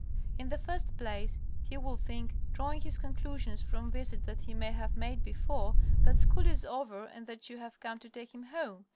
In the first place, he will think, drawing his conclusions from visits that he may have made before, that school is over and that you have come to take him home.